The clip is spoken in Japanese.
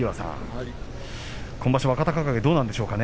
今場所は若隆景どうでしょうか。